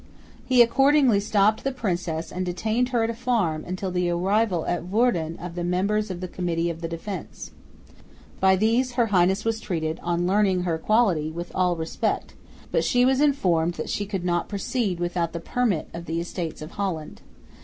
He accordingly stopped the princess and detained her at a farm until the arrival at Woerden of the members of the Committee of Defence. By these Her Highness was treated (on learning her quality) with all respect, but she was informed that she could not proceed without the permit of the Estates of Holland.